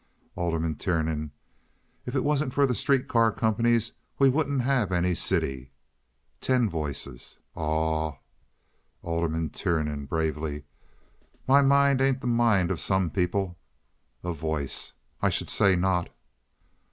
Alderman Tiernan. "If it wasn't for the street car companies we wouldn't have any city." Ten Voices. "Aw!" Alderman Tiernan (bravely). "My mind ain't the mind of some people." A Voice. "I should say not."